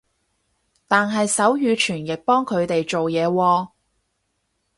但係手語傳譯幫佢哋做嘢喎